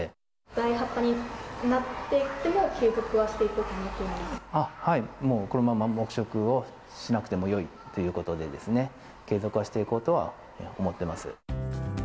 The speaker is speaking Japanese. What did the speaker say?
第８波になってても、はい、もうこのまま黙食をしなくてもよいということで、継続はしていこうとは思っています。